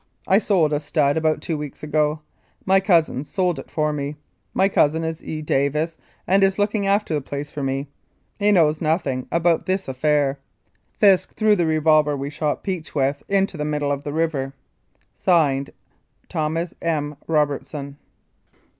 I sold a stud about two weeks ago. My cousin sold it for me. My cousin is E. Davis and is looking after the place for me. He knows nothing about this affair. Fisk threw the revolver we shot Peach with into the middle of the river. "Sd. THOMAS M. ROBERTSON."